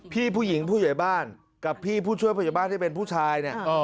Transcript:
พี่ผู้หญิงผู้ใหญ่บ้านกับพี่ผู้ช่วยพยาบาลที่เป็นผู้ชายเนี่ย